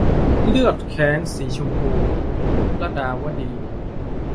เลือดแค้นสีชมพู - ลดาวดี